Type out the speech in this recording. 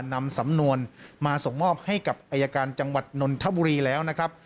นำสำนวนมาส่งมอบให้กับอายการจังหวัดนนทบุรีแล้วนะครับ